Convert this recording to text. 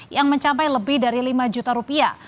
yang mencapai lebih dari lima juta rupiah